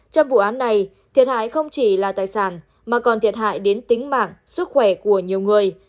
trong vụ án này thiệt hại không chỉ là tài sản mà còn thiệt hại đến tính mạng sức khỏe của nhiều người